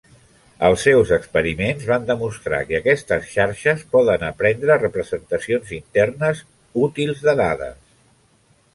Els seus experiments van demostrar que aquestes xarxes poden aprendre representacions internes útils de dades.